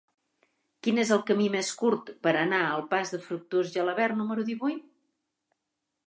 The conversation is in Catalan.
Quin és el camí més curt per anar al pas de Fructuós Gelabert número divuit?